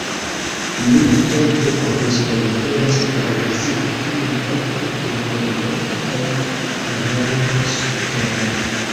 Nuntempe turistoj venas por viziti tiun reton de vojoj kaj kavernoj subteraj.